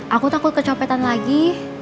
aku takut kecopetan lagi